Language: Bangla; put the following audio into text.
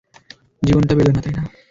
জীবন টা বেদনা, তাই না?